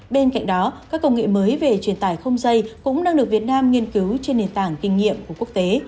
bên cạnh đó các công nghệ mới về truyền tải không dây cũng đang được việt nam nghiên cứu trên nền tảng kinh nghiệm của quốc tế